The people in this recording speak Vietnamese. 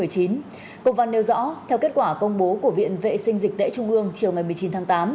công văn nêu rõ theo kết quả công bố của viện vệ sinh dịch tễ trung ương chiều ngày một mươi chín tháng tám